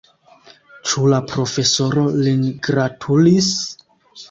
Ĉu la profesoro lin gratulis?